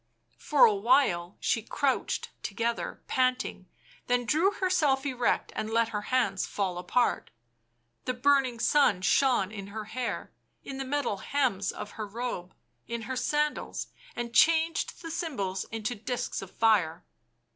For a while she crouched together, panting, then drew herself erect, and let her hands fall apart. The burning sun shone in her hair, in the metal hems of her robe, in her sandals, and changed the cymbals into discs of fire.